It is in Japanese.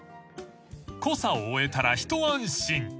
［コサを終えたら一安心］